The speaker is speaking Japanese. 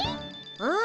うん。